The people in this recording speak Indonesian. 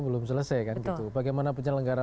belum selesai bagaimana penyelenggara